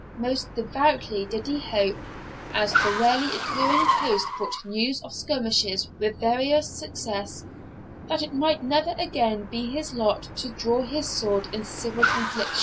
Most devoutly did he hope, as the rarely occurring post brought news of skirmishes with various success, that it might never again be his lot to draw his sword in civil conflict.